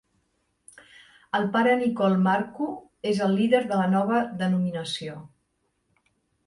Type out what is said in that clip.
El pare Nikolle Marku és el líder de la nova denominació.